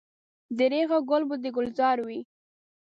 درېغه ګل به د ګلزار وي.